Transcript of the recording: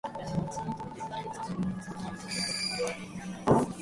そのあと、僕らは火が収まるまで、ずっと丸太の前で座っていた